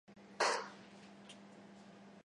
想像力の微塵もなかった